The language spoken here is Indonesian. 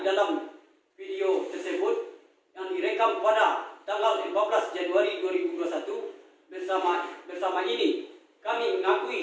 dalam video tersebut yang direkam pada tanggal lima belas januari dua ribu dua puluh satu bersama bersama ini kami mengakui